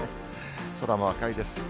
空も赤いです。